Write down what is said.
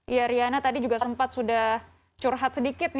iya riana tadi juga sempat sudah curhat sedikit